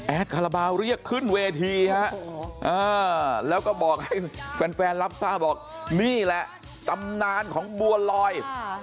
คาราบาลเรียกขึ้นเวทีฮะแล้วก็บอกให้แฟนรับทราบบอกนี่แหละตำนานของบัวลอย